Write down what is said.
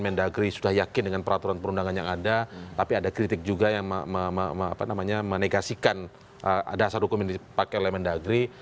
mendagri sudah yakin dengan peraturan perundangan yang ada tapi ada kritik juga yang menegasikan dasar hukum yang dipakai oleh mendagri